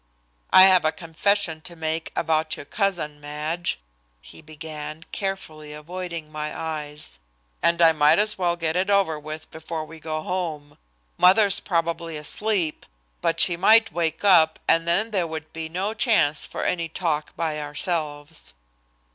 "I have a confession to make about your cousin, Madge," he began, carefully avoiding my eyes, "and I might as well get it over with before we go home. Mother's probably asleep, but she might wake up, and then there would be no chance for any talk by ourselves."